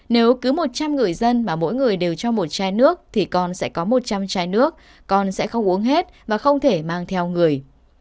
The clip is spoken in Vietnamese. nếu cứ một trăm linh người dân mà mỗi người đều cho một chai nước thì con sẽ có một trăm linh chai nước con sẽ không uống hết và không thể mang theo người